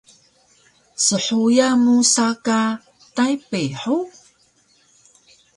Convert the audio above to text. Shuya musa ka Taypey hug?